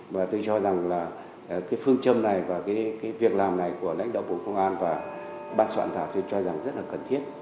và tôi cho rằng là cái phương châm này và cái việc làm này của lãnh đạo bộ công an và ban soạn thảo tôi cho rằng rất là cần thiết